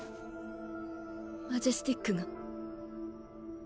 マジェスティックが。